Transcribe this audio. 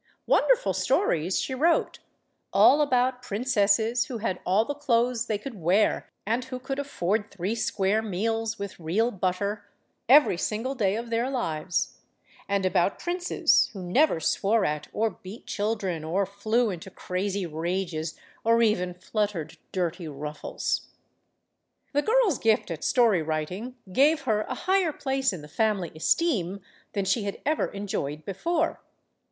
Wonderful stories she wrote, all about princesses who had all the clothes they could wear and who could afford three square meals, with real butter, every single day of their lives; and about princes who never swore at or beat children or flew into crazy rages or even fluttered dirty ruffles. The girl's gift at story writing gave her a higher place in the family esteem than she had ever enjoyed before.